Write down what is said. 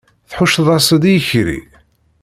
Tḥucceḍ-as-d i ikerri?